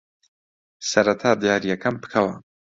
سەرەتا دیارییەکەم بکەوە.